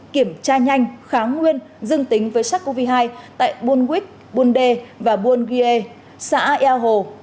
kiểm tra nhanh kháng nguyên dương tính với sars cov hai tại buôn quýt buôn đê và buôn quyê xã eo hồ